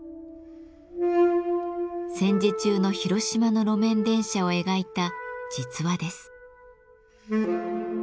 戦時中の広島の路面電車を描いた実話です。